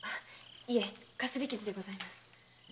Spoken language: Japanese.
かすり傷でございます。